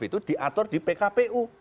itu diatur di pkpu